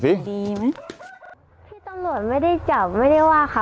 พี่ตำรวจยังไม่ได้จำไม่ได้ว่าค่ะ